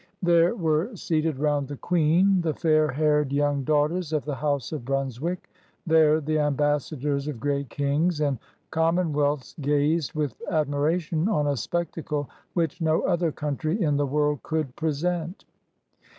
There were seated round the Queen the fair haired young daughters of the House of Brunswick. There the Ambassadors of great Kings and Commonwealths gazed with admiration on a spectacle which no other country in the world could present.